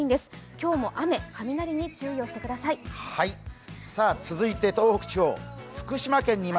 今日も雨、雷に注意をしてください